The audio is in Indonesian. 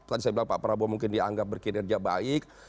tadi saya bilang pak prabowo mungkin dianggap berkinerja baik